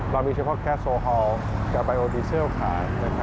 เรามีเฉพาะแก๊ซโซฮอล์กับบายโอวีซิลต์ขาย